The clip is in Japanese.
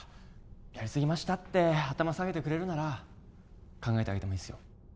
やりすぎましたって頭下げてくれるなら考えてあげてもいいっすよ